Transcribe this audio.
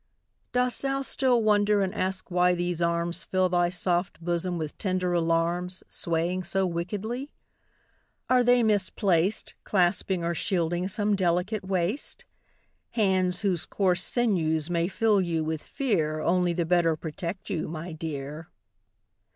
Dost thou still wonder, and ask why these arms Fill thy soft bosom with tender alarms, Swaying so wickedly? Are they misplaced Clasping or shielding some delicate waist? Hands whose coarse sinews may fill you with fear Only the better protect you, my dear!